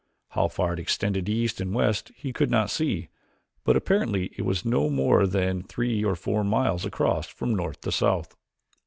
How far it extended east and west he could not see, but apparently it was no more than three or four miles across from north to south.